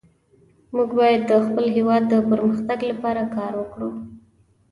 موږ باید د خپل هیواد د پرمختګ لپاره کار وکړو